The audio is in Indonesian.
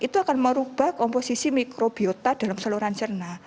itu akan merubah komposisi mikrobiota dalam seluruhan jernak